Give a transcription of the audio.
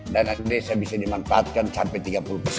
dan agensi bisa dimanfaatkan sampai tiga puluh